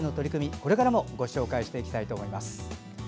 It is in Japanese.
これからもご紹介していきたいと思います。